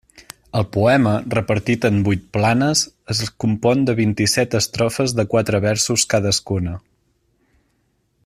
El poema, repartit en vuit planes, es compon de vint-i-set estrofes de quatre versos cadascuna.